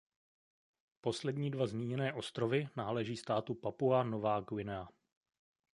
Poslední dva zmíněné ostrovy náleží státu Papua Nová Guinea.